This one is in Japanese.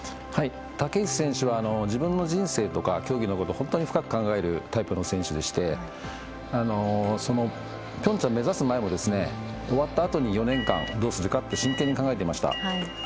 竹内選手は自分のこととか競技のことを本当に深く考えるタイプの選手でしてピョンチャン目指す前も終わったあとどうするかを真剣に考えていました。